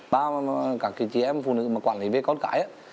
ba các chị em phụ nữ mà quản lý về con cái á